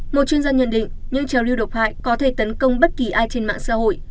một chuyên gia nhận định những trào lưu độc hại có thể tấn công bất kỳ ai trên mạng xã hội